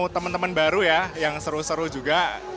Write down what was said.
temen temen baru ya yang seru seru juga